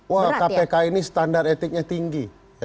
wah kpk ini standar etiknya tinggi